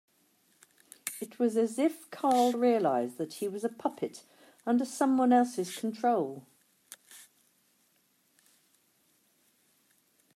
It was as if Carl realised that he was a puppet under someone else's control.